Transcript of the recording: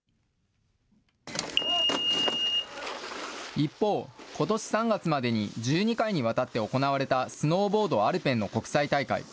一方、ことし３月までに１２回にわたって行われた、スノーボードアルペンの国際大会。